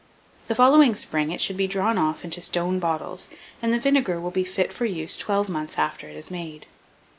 The following spring it should be drawn off into stone bottles, and the vinegar will be fit for use twelve months after it is made.